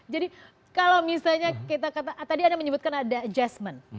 jadi kalau misalnya kita kata tadi anda menyebutkan ada adjustment